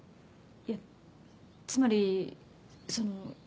えっつまりその。